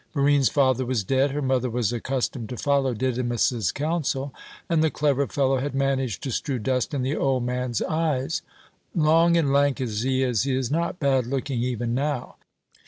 Barine's father was dead, her mother was accustomed to follow Didymus's counsel, and the clever fellow had managed to strew dust in the old man's eyes. Long and lank as he is, he is not bad looking even now.